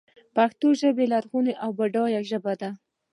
پښتو ژبه لرغونۍ او بډایه ژبه ده.